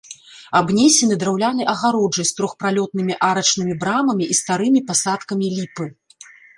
Абнесены драўлянай агароджай з трохпралётнымі арачнымі брамамі і старымі пасадкамі ліпы.